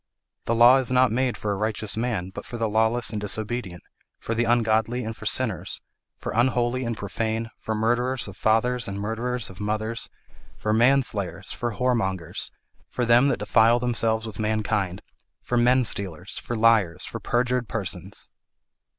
'The law is not made for a righteous man, but for the lawless and disobedient, for the ungodly and for sinners, for unholy and profane, for murderers of fathers and murderers of mothers, for manslayers, for whoremongers, for them that defile themselves with mankind, for menstealers, for liars, for perjured persons.'